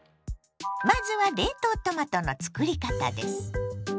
まずは冷凍トマトのつくり方です。